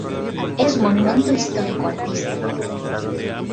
Es monumento Histórico Artístico.